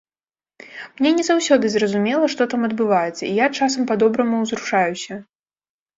Мне не заўсёды зразумела, што там адбываецца, і я часам па-добраму ўзрушаюся.